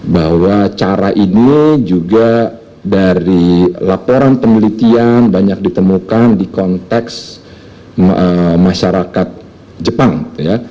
bahwa cara ini juga dari laporan penelitian banyak ditemukan di konteks masyarakat jepang ya